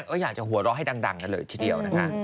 ก็อยากจะหัวเราะให้ดังกันเลยทีเดียวนะคะ